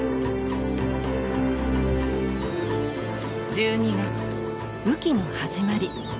１２月雨季の始まり。